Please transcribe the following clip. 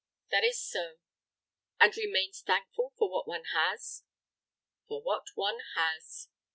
"That is so." "And remains thankful for what one has?" "For what one has."